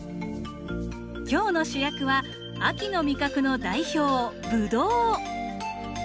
今日の主役は秋の味覚の代表ブドウ。